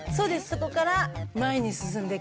そこから前に進んでいく。